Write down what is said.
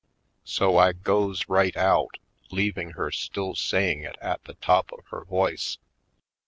So I goes right out, leaving her still say ing it at the top of her voice.